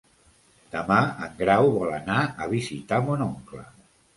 Demà en Grau vol anar a visitar mon oncle.